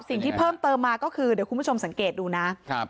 สิ่งที่เพิ่มเติมมาก็คือเดี๋ยวคุณผู้ชมสังเกตดูนะครับ